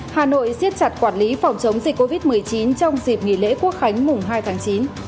hà nội siết chặt quản lý phòng chống dịch covid một mươi chín trong dịp nghỉ lễ quốc khánh mùng hai tháng chín